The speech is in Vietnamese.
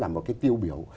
một cái tiêu biểu